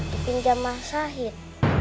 dipinjam mas sahid